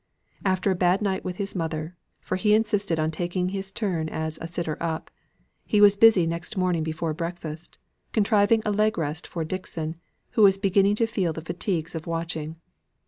After a bad night with his mother (for he insisted on taking his turn as a sitter up) he was busy next morning before breakfast, contriving a leg rest for Dixon, who was beginning to feel the fatigues of watching.